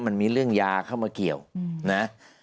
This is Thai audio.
มันมีเรื่องยาเข้ามาเกี่ยวนะ